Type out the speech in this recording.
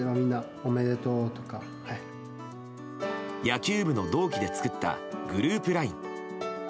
野球部の同期で作ったグループＬＩＮＥ。